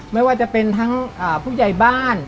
ไม่ว่าจะเป็นทั้งผู้ใหญ่บ้าน